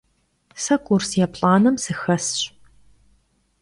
Se kurs yêplh'anem sıxesş.